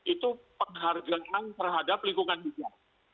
itu penghargaan terhadap lingkungan hidup